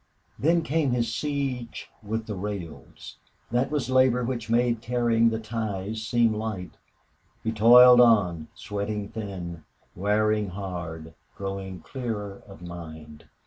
Then came his siege with the rails. That was labor which made carrying ties seem light. He toiled on, sweating thin, wearing hard, growing clearer of mind.